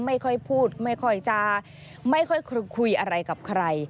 ไม่ค่อยพูดไม่ค่อยจะไม่ค่อยคุยอะไรกับใคร